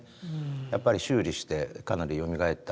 やっぱり修理してかなりよみがえったという感じ。